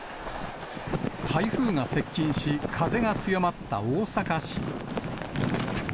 台風が接近し、風が強まった大阪市。